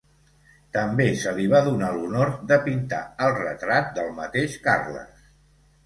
També se li va donar l'honor de pintar el retrat del mateix Carles.